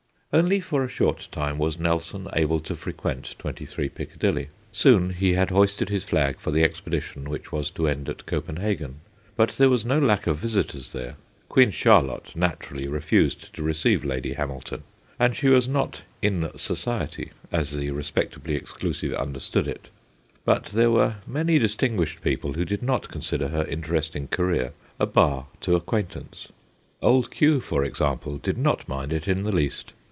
Only for a short time was Nelson able to frequent 23 Piccadilly. Soon he had hpisted his flag for the expedition which was to end at Copenhagen. But there was no lack of visitors there. Queen Charlotte naturally refused to receive Lady Hamilton, and she was not ' in society ' as the respectably ex clusive understood it, but there were many distinguished people who did not consider her interesting career a bar to acquaintance. Old Q., for example, did not mind it in the least.